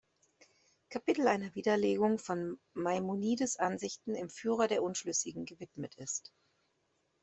Kapitel einer Widerlegung von Maimonides' Ansichten im Führer der Unschlüssigen gewidmet ist.